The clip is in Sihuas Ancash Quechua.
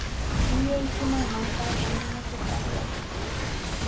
Tiyaykiman mankata mañakuq ayway.